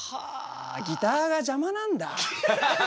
ギターが邪魔なんだ。